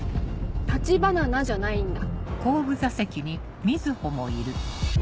「たちバナナ」じゃないんだ。